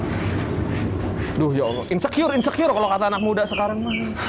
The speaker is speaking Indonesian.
aduh ya allah insecure insecure kalau kata anak muda sekarang